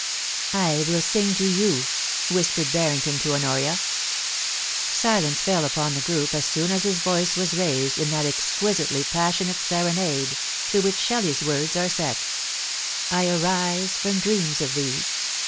* I will sing to you^^ whispered Barrington to Honoria. Silence fell upon the group as soon as his voice was raised in that exquisitely passionate serenade, to which Shelley^s words are set :* I arise from dreams of thee.